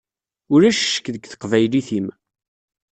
Ulac ccek deg teqbaylit-im.